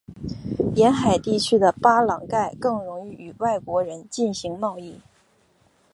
沿海地区的巴朗盖更容易与外国人进行贸易。